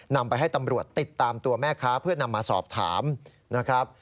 นำไปให้ตำรวจติดตามตัวแม่ค้าเพื่อนำมาสอบถามนะครับ